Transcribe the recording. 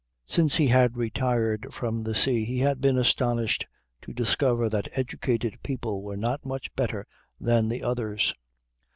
Since he had retired from the sea he had been astonished to discover that the educated people were not much better than the others.